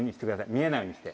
見えないようにして。